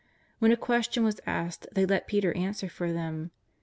When a ques tion was asked they let Peter answer for them.